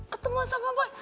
ketemu sama boy